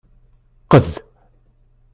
Qqed.